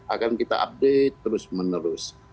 akan kita update terus menerus